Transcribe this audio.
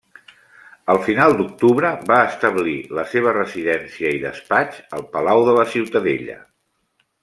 Al final d'octubre, va establir la seva residència i despatx al Palau de la Ciutadella.